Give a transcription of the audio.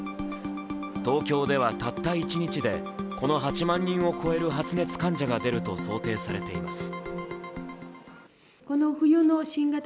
東京ではたった一日でこの８万人の発熱患者が出ると想定されています。